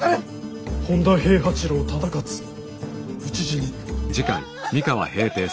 本多平八郎忠勝討ち死に。